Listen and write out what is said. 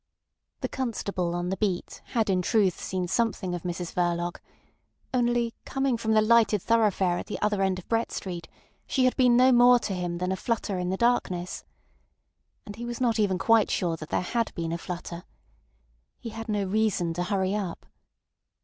The constable on the beat had in truth seen something of Mrs Verloc; only coming from the lighted thoroughfare at the other end of Brett Street, she had been no more to him than a flutter in the darkness. And he was not even quite sure that there had been a flutter. He had no reason to hurry up.